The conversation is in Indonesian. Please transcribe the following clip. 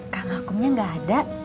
kang akumnya gak ada